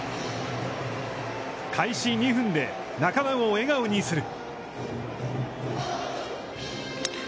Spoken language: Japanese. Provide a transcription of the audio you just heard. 開始２分で仲間を笑顔にする。